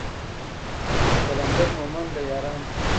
د قلندر مومند له يارانو څخه و.